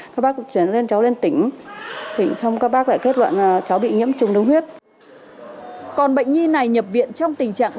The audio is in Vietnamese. còn bệnh nhi này nhập viện trong tình trạng